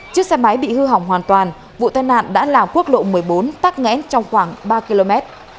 chiếc xe máy bị hư hỏng hoàn toàn vụ thất nạn đã làm quốc lộ một mươi bốn tắt ngẽn trong khoảng ba km